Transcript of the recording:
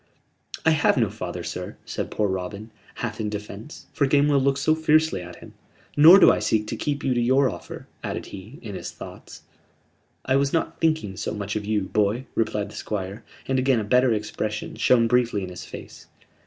"I have no father, sir," said poor Robin, half in defense; for Gamewell looked so fiercely at him. "Nor do I seek to keep you to your offer," added he, in his thoughts. "I was not thinking so much of you, boy," replied the Squire; and again a better expression shone briefly in his face.